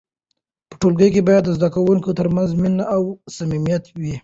په ټولګي کې باید د زده کوونکو ترمنځ مینه او صمیمیت وي.